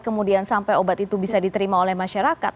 kemudian sampai obat itu bisa diterima oleh masyarakat